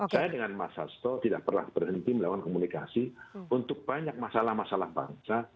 saya dengan mas hasto tidak pernah berhenti melakukan komunikasi untuk banyak masalah masalah bangsa